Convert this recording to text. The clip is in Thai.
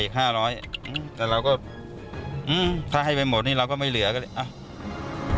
อีก๕๐๐บาทแต่เราก็อือค่าให้ไปหมดนี่เราก็ไม่เหลือก็เลย